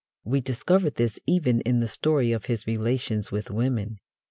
We discover this even in the story of his relations with women.